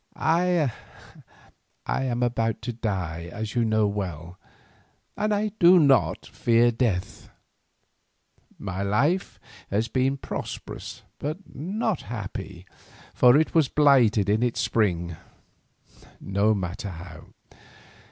I am about to die as you know well, and I do not fear death. My life has been prosperous but not happy, for it was blighted in its spring—no matter how.